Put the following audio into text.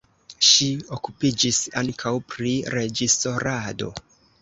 Ŝi okupiĝis ankaŭ pri reĝisorado.